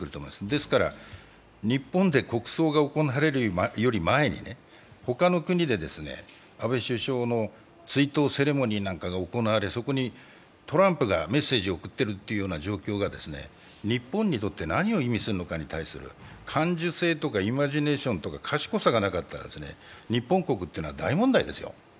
ですから日本で国葬が行われるより前に他の国で安倍首相の追悼セレモニーなんかが行われ、そこにトランプがメッセージを送ってるという状況が日本にとって何を意味するのかということに対する感受性とかイマジネーションとか賢さがなかったら日本国というのは大問題ですよ。